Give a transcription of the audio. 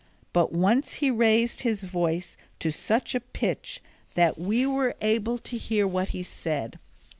But once he raised his voice to such a pitch that we were able to hear what he said.